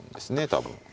多分。